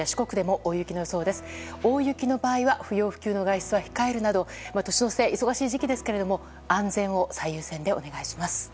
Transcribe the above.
大雪の場合は不要不急の外出は控えるなど、年の瀬の忙しい時期ですけども安全を最優先でお願いします。